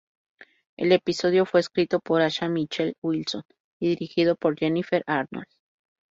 El episodio fue escrito por Asha Michelle Wilson, y dirigido por Jennifer Arnold.